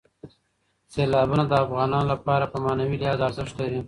سیلابونه د افغانانو لپاره په معنوي لحاظ ارزښت لري.